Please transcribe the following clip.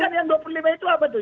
kan yang dua puluh lima itu apa tuh